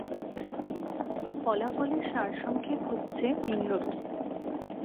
ফলাফলের সার-সংক্ষেপ হচ্ছে নিম্নরূপ।